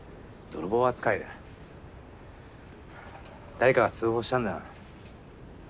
誰かが通報したんだな。